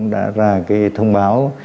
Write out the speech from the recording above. đã ra thông báo